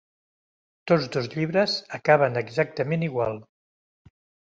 Tots dos llibres acaben exactament igual.